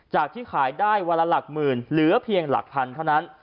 ที่ขายได้วันละหลักหมื่นเหลือเพียงหลักพันเท่านั้น